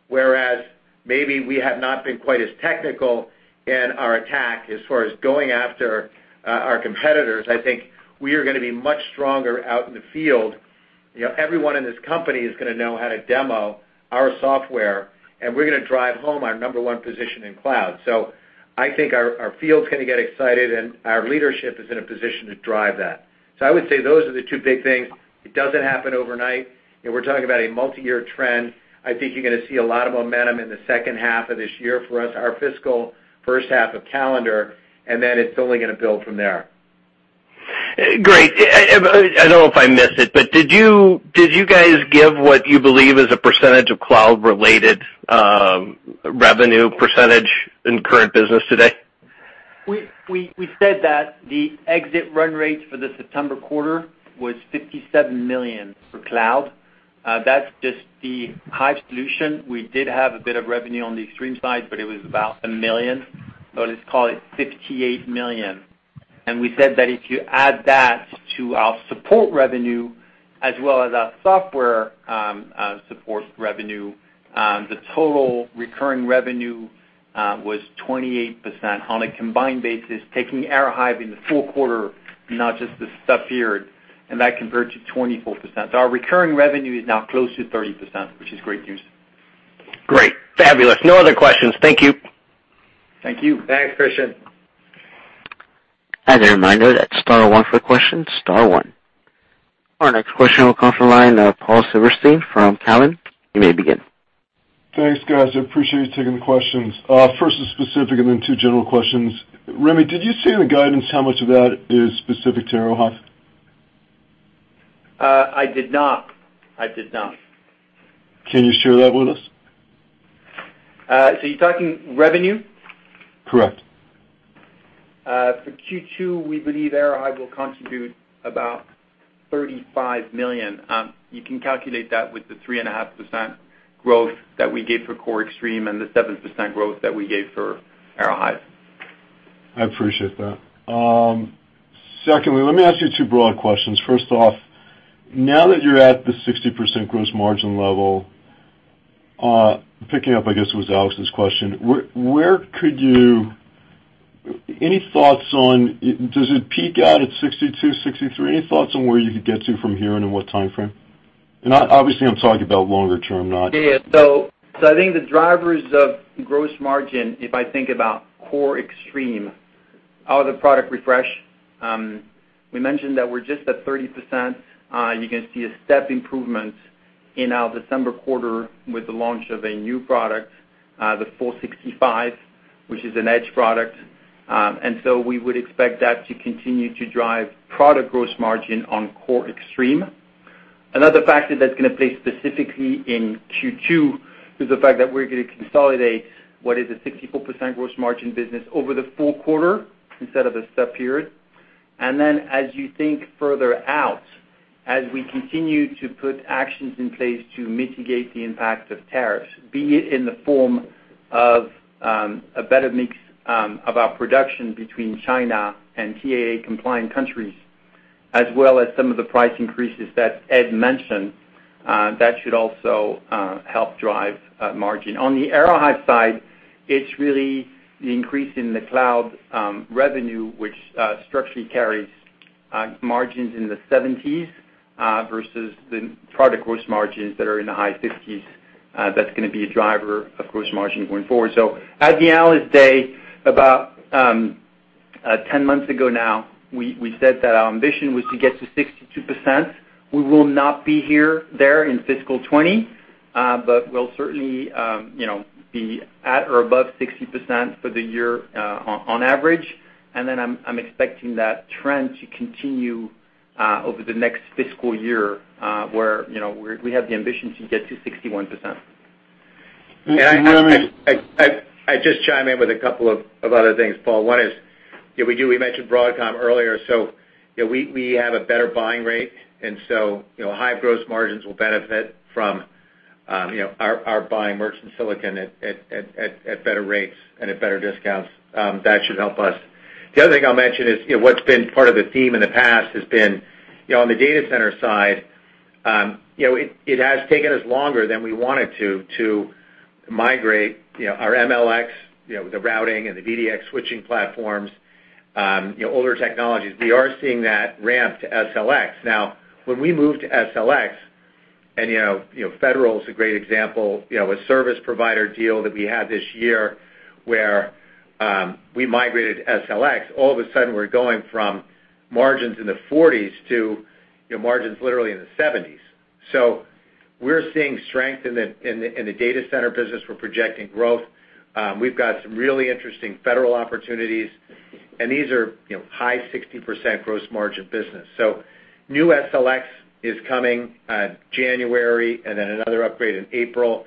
Whereas maybe we have not been quite as technical in our attack as far as going after our competitors, I think we are going to be much stronger out in the field. Everyone in this company is going to know how to demo our software, and we're going to drive home our number one position in cloud. I think our field's going to get excited, and our leadership is in a position to drive that. I would say those are the two big things. It doesn't happen overnight. We're talking about a multi-year trend. I think you're going to see a lot of momentum in the second half of this year for us, our fiscal first half of calendar, and then it's only going to build from there. Great. I don't know if I missed it, did you guys give what you believe is a percentage of cloud-related revenue percentage in current business today? We said that the exit run rate for the September quarter was $57 million for cloud. That's just the Hive solution. We did have a bit of revenue on the Extreme side, but it was about $1 million. Let's call it $58 million. We said that if you add that to our support revenue as well as our software support revenue, the total recurring revenue was 28% on a combined basis, taking Aerohive in the full quarter, not just the sub-period, and that converted to 24%. Our recurring revenue is now close to 30%, which is great news. Great. Fabulous. No other questions. Thank you. Thank you. Thanks, Christian. As a reminder, that's star one for questions. Star one. Our next question will come from the line of Paul Silverstein from Cowen. You may begin. Thanks, guys. I appreciate you taking the questions. First a specific and then two general questions. Rémi, did you say in the guidance how much of that is specific to Aerohive? I did not. Can you share that with us? You're talking revenue? Correct. For Q2, we believe Aerohive will contribute about $35 million. You can calculate that with the 3.5% growth that we gave for core Extreme and the 7% growth that we gave for Aerohive. I appreciate that. Secondly, let me ask you two broad questions. First off, now that you're at the 60% gross margin level, picking up, I guess, was Alex's question, any thoughts on, does it peak out at 62%, 63%? Any thoughts on where you could get to from here and in what time frame? Obviously, I'm talking about longer term. I think the drivers of gross margin, if I think about core Extreme out of the product refresh, we mentioned that we're just at 30%. You can see a step improvement in our December quarter with the launch of a new product, the X465, which is an Edge product. We would expect that to continue to drive product gross margin on core Extreme. Another factor that's going to play specifically in Q2 is the fact that we're going to consolidate what is a 64% gross margin business over the full quarter instead of a sub-period. As you think further out, as we continue to put actions in place to mitigate the impact of tariffs, be it in the form of a better mix of our production between China and TAA-compliant countries, as well as some of the price increases that Ed mentioned, that should also help drive margin. On the Aerohive side, it's really the increase in the cloud revenue, which structurally carries margins in the 70s versus the product gross margins that are in the high 50s. That's going to be a driver of gross margin going forward. At the Analyst Day, about 10 months ago now, we said that our ambition was to get to 62%. We will not be there in fiscal 2020, but we'll certainly be at or above 60% for the year on average. I'm expecting that trend to continue over the next fiscal year, where we have the ambition to get to 61%. Yeah. I just chime in with a couple of other things, Paul. One is, we mentioned Broadcom earlier. We have a better buying rate, and Hive gross margins will benefit from our buying merchant silicon at better rates and at better discounts. That should help us. The other thing I'll mention is what's been part of the theme in the past has been on the data center side, it has taken us longer than we wanted to migrate our MLX, the routing and the VDX switching platforms, older technologies. We are seeing that ramp to SLX. When we moved to SLX, Federal is a great example, a service provider deal that we had this year where we migrated SLX. All of a sudden, we're going from margins in the 40s to margins literally in the 70s. We're seeing strength in the data center business. We're projecting growth. We've got some really interesting federal opportunities, and these are high 60% gross margin business. New SLX is coming January and then another upgrade in April.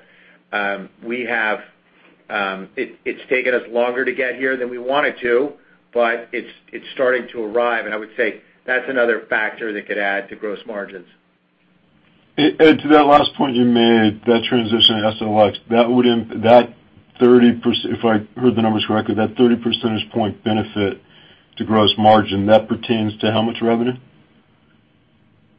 It's taken us longer to get here than we wanted to, but it's starting to arrive, and I would say that's another factor that could add to gross margins. Ed, to that last point you made, that transition to SLX, if I heard the numbers correctly, that 30 percentage point benefit to gross margin, that pertains to how much revenue?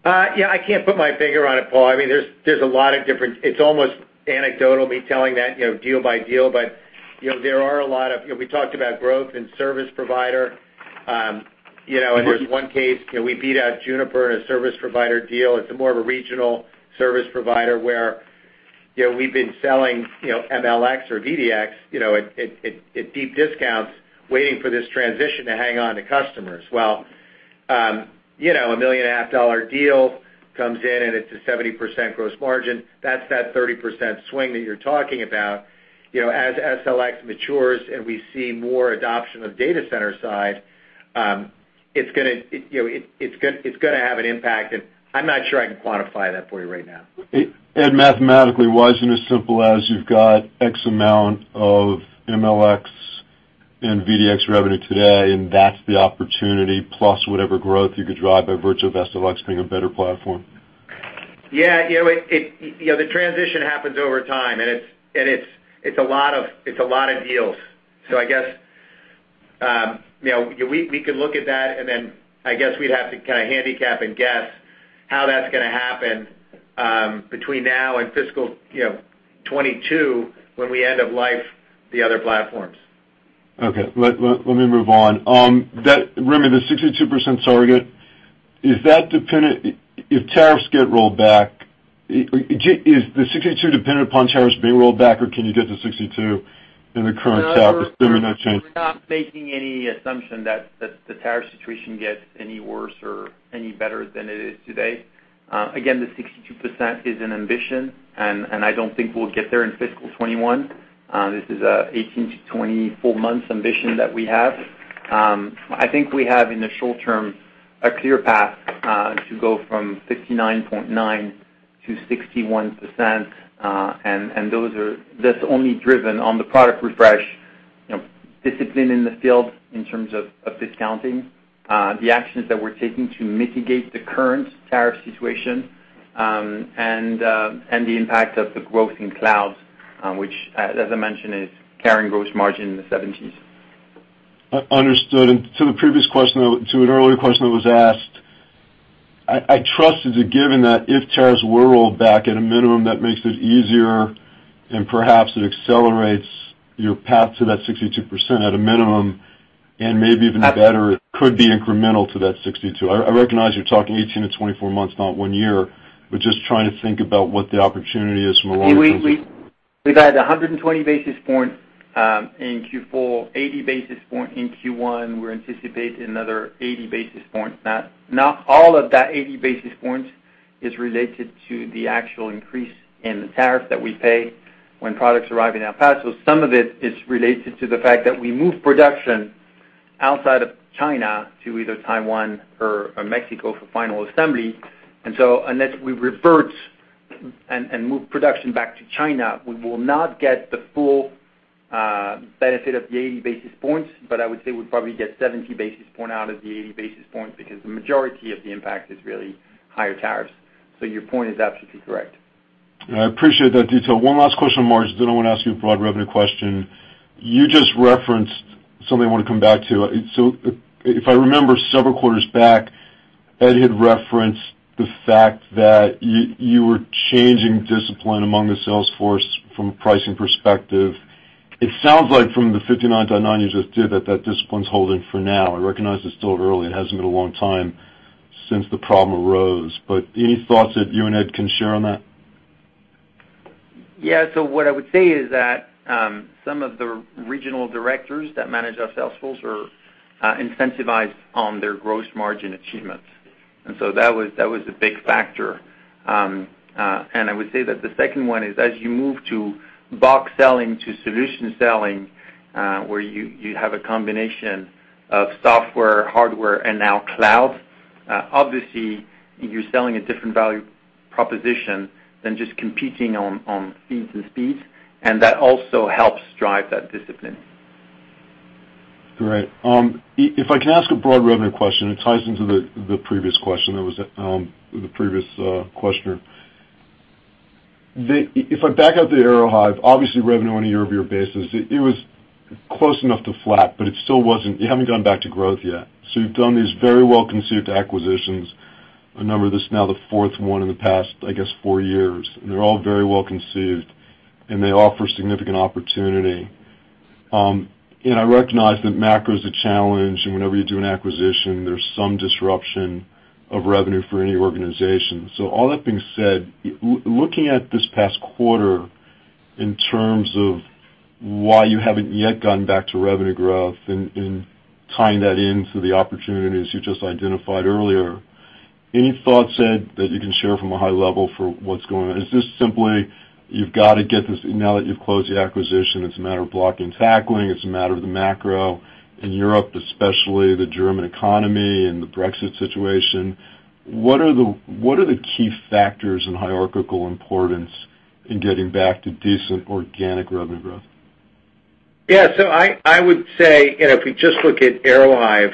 Yeah, I can't put my finger on it, Paul. It's almost anecdotal me telling that deal by deal. We talked about growth and service provider. There's one case, we beat out Juniper in a service provider deal. It's more of a regional service provider where we've been selling MLX or VDX at deep discounts, waiting for this transition to hang on to customers. Well, a million and a half dollar deal comes in. It's a 70% gross margin. That's that 30% swing that you're talking about. As SLX matures and we see more adoption of data center side, it's going to have an impact. I'm not sure I can quantify that for you right now. Ed, mathematically, why isn't it as simple as you've got X amount of MLX and VDX revenue today, and that's the opportunity, plus whatever growth you could drive by virtue of SLX being a better platform? Yeah. The transition happens over time, and it's a lot of deals. I guess we could look at that, and then I guess we'd have to kind of handicap and guess how that's going to happen between now and fiscal 2022, when we end of life the other platforms. Okay. Let me move on. Rémi, the 62% target, if tariffs get rolled back, is the 62% dependent upon tariffs being rolled back, or can you get to 62% in the current tariff assuming no change? We're not making any assumption that the tariff situation gets any worse or any better than it is today. The 62% is an ambition, and I don't think we'll get there in fiscal 2021. This is an 18-24 months ambition that we have. I think we have, in the short term, a clear path to go from 59.9%-61%, and that's only driven on the product refresh, discipline in the field in terms of discounting, the actions that we're taking to mitigate the current tariff situation, and the impact of the growth in cloud, which as I mentioned, is carrying gross margin in the 70s. Understood. To an earlier question that was asked, I trust it's a given that if tariffs were rolled back at a minimum, that makes it easier and perhaps it accelerates your path to that 62% at a minimum, and maybe even better, it could be incremental to that 62%. I recognize you're talking 18-24 months, not one year, but just trying to think about what the opportunity is from a long-term- We've added 120 basis points in Q4, 80 basis points in Q1. We're anticipating another 80 basis points. Not all of that 80 basis points is related to the actual increase in the tariff that we pay when products arrive in El Paso. Some of it is related to the fact that we move production outside of China to either Taiwan or Mexico for final assembly. Unless we revert and move production back to China, we will not get the full benefit of the 80 basis points. I would say we'd probably get 70 basis point out of the 80 basis points because the majority of the impact is really higher tariffs. Your point is absolutely correct. I appreciate that detail. One last question on margins. I want to ask you a broad revenue question. You just referenced something I want to come back to. If I remember several quarters back, Ed had referenced the fact that you were changing discipline among the sales force from a pricing perspective. It sounds like from the 59.9% you just did, that discipline's holding for now. I recognize it's still early. It hasn't been a long time since the problem arose. Any thoughts that you and Ed can share on that? What I would say is that some of the regional directors that manage our sales force are incentivized on their gross margin achievements. That was a big factor. I would say that the second one is as you move to box selling to solution selling, where you have a combination of software, hardware, and now cloud, obviously you're selling a different value proposition than just competing on fees and speeds, and that also helps drive that discipline. Great. If I can ask a broad revenue question, it ties into the previous question that was with the previous questioner. If I back out the Aerohive, obviously revenue on a year-over-year basis, it was close enough to flat, you haven't gone back to growth yet. You've done these very well-conceived acquisitions. I remember this is now the fourth one in the past, I guess, four years. They're all very well-conceived, and they offer significant opportunity. I recognize that macro is a challenge, and whenever you do an acquisition, there's some disruption of revenue for any organization. All that being said, looking at this past quarter. In terms of why you haven't yet gotten back to revenue growth and tying that into the opportunities you just identified earlier, any thoughts, Ed, that you can share from a high level for what's going on? Is this simply you've got to get this now that you've closed the acquisition, it's a matter of blocking, tackling, it's a matter of the macro in Europe, especially the German economy and the Brexit situation? What are the key factors in hierarchical importance in getting back to decent organic revenue growth? I would say, if we just look at Aerohive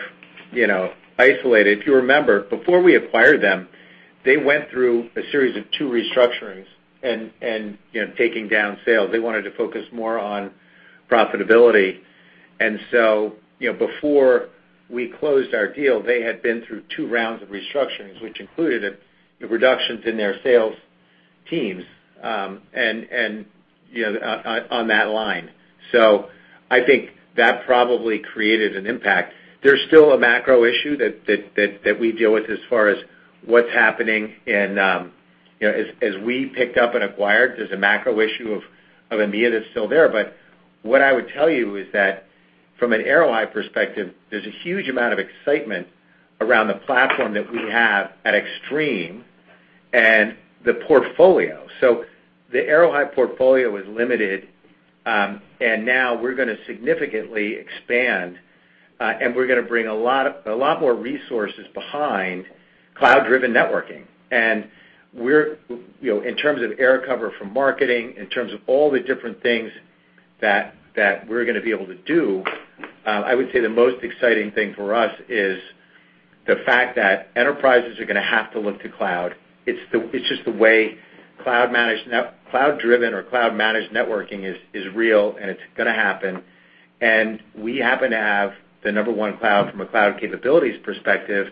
isolated. If you remember, before we acquired them, they went through a series of two restructurings and taking down sales. They wanted to focus more on profitability. Before we closed our deal, they had been through two rounds of restructurings, which included a reductions in their sales teams on that line. I think that probably created an impact. There's still a macro issue that we deal with. As we picked up and acquired, there's a macro issue of EMEA that's still there. What I would tell you is that from an Aerohive perspective, there's a huge amount of excitement around the platform that we have at Extreme and the portfolio. The Aerohive portfolio is limited, and now we're going to significantly expand, and we're going to bring a lot more resources behind cloud-driven networking. In terms of air cover from marketing, in terms of all the different things that we're going to be able to do, I would say the most exciting thing for us is the fact that enterprises are going to have to look to cloud. It's just the way cloud-driven or cloud-managed networking is real, and it's going to happen. We happen to have the number one cloud from a cloud capabilities perspective.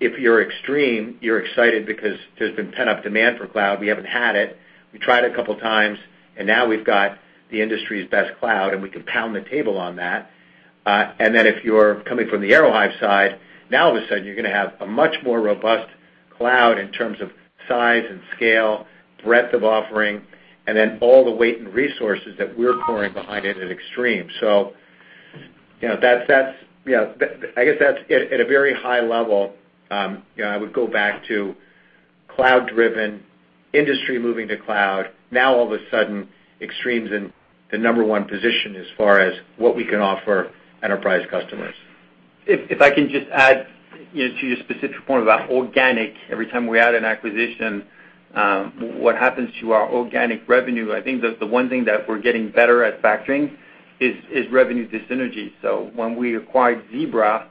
If you're Extreme, you're excited because there's been pent-up demand for cloud. We haven't had it. We tried a couple of times, and now we've got the industry's best cloud, and we can pound the table on that. If you're coming from the Aerohive side, now all of a sudden, you're going to have a much more robust cloud in terms of size and scale, breadth of offering, and then all the weight and resources that we're pouring behind it at Extreme. I guess that's at a very high level. I would go back to cloud-driven, industry moving to cloud. Now all of a sudden, Extreme's in the number 1 position as far as what we can offer enterprise customers. If I can just add to your specific point about organic every time we add an acquisition, what happens to our organic revenue, I think that the one thing that we're getting better at factoring is revenue dissynergy. When we acquired Zebra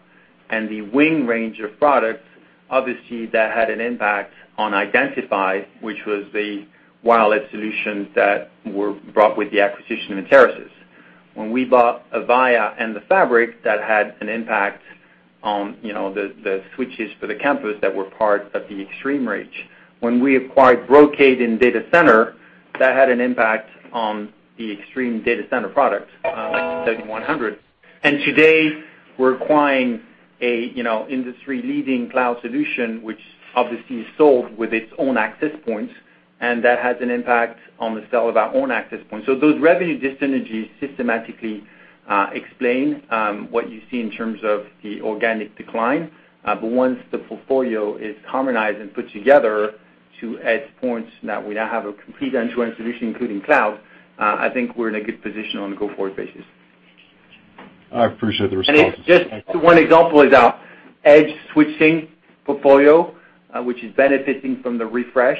and the WiNG range of products, obviously that had an impact on IdentiFi, which was the wireless solutions that were brought with the acquisition of Enterasys. When we bought Avaya and the fabric, that had an impact on the switches for the campus that were part of the Extreme reach. When we acquired Brocade in Data Center, that had an impact on the Extreme Data Center product, X7100. Today, we're acquiring a industry-leading cloud solution, which obviously is sold with its own access points, and that has an impact on the sale of our own access points. Those revenue dissynergies systematically explain what you see in terms of the organic decline. Once the portfolio is harmonized and put together to edge points, now we have a complete end-to-end solution, including cloud. I think we're in a good position on a go-forward basis. I appreciate the response. It's just one example is our edge switching portfolio, which is benefiting from the refresh,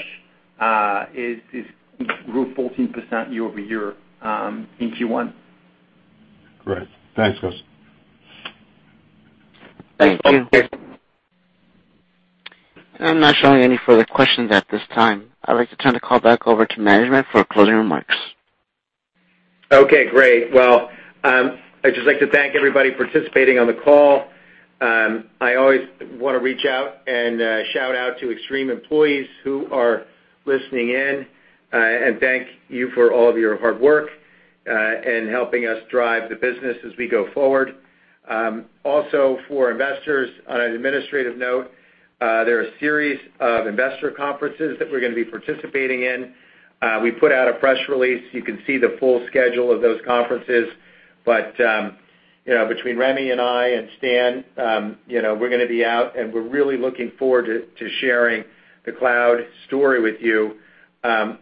is grew 14% year-over-year in Q1. Great. Thanks, guys. Thank you. Thank you. I'm not showing any further questions at this time. I'd like to turn the call back over to management for closing remarks. Okay, great. Well, I'd just like to thank everybody participating on the call. I always want to reach out and shout out to Extreme employees who are listening in, and thank you for all of your hard work, and helping us drive the business as we go forward. Also, for investors, on an administrative note, there are a series of investor conferences that we're going to be participating in. We put out a press release. You can see the full schedule of those conferences. Between Rémi and I and Stan, we're going to be out, and we're really looking forward to sharing the cloud story with you.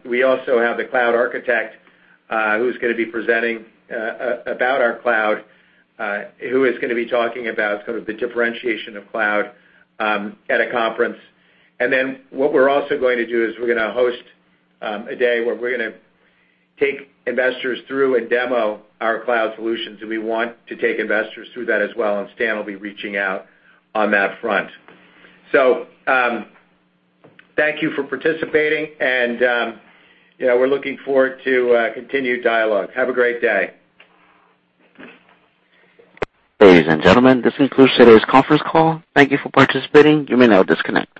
We also have the cloud architect who's going to be presenting about our cloud, who is going to be talking about sort of the differentiation of cloud at a conference. What we're also going to do is we're going to host a day where we're going to take investors through a demo our cloud solutions, and we want to take investors through that as well, and Stan will be reaching out on that front. Thank you for participating, and we're looking forward to continued dialogue. Have a great day. Ladies and gentlemen, this concludes today's conference call. Thank you for participating. You may now disconnect.